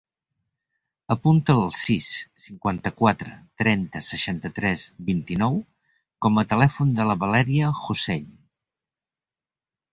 Apunta el sis, cinquanta-quatre, trenta, seixanta-tres, vint-i-nou com a telèfon de la Valèria Hossain.